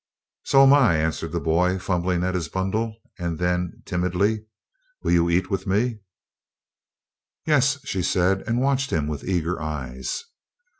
"So'm I," answered the boy, fumbling at his bundle; and then, timidly: "Will you eat with me?" "Yes," she said, and watched him with eager eyes.